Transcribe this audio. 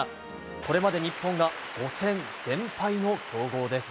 これまで日本が５戦全敗の強豪です。